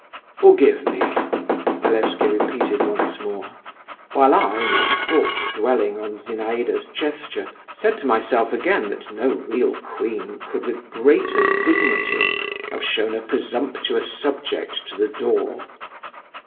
"Forgive me," Malevsky repeated once more; while I, my thoughts dwelling on Zinaïda's gesture, said to myself again that no real queen could with greater dignity have shown a presumptuous subject to the door.